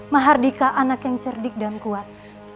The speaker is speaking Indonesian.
mbah hardika anak yang cerdik dan kuat